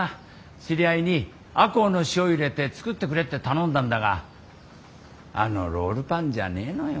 知り合いに赤穂の塩入れて作ってくれって頼んだんだがあのロールパンじゃねえのよ。